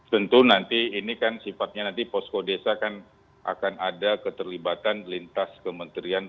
tentu nanti ini kan sifatnya nanti posko desa kan akan ada keterlibatan lintas kementerian